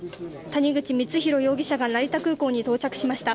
谷口光弘容疑者が成田空港に到着しました。